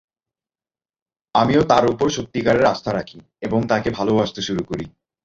আমিও তাঁর ওপর সত্যিকারের আস্থা রাখি এবং তাঁকে ভালোবাসতে শুরু করি।